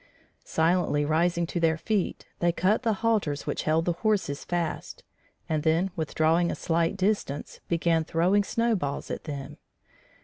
Silently rising to their feet, they cut the halters which held the horses fast, and then, withdrawing a slight distance, began throwing snowballs at them.